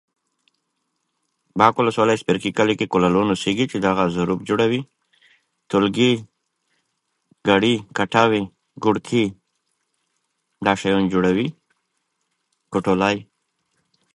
دځنګل حاصلات د افغانستان د امنیت په اړه هم اغېز لري.